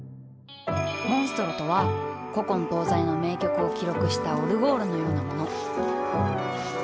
モンストロとは古今東西の名曲を記録したオルゴールのようなもの。